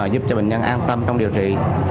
giúp cho bệnh nhân an tâm trong điều trị